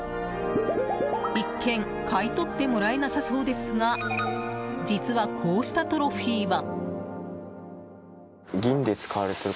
一見買い取ってもらえなさそうですが実は、こうしたトロフィーは。